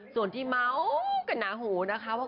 ส่วนที่เมาว์กระหนาหูนะคะ